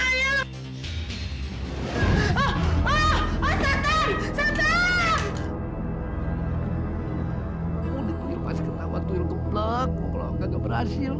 masuk kamar aie